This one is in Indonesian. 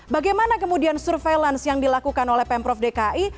bagaimana kemudian surveillance yang dilakukan oleh pemprov dki